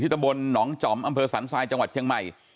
ตะบลหนองจอมอำเภอสันทรายจังหวัดเชียงใหม่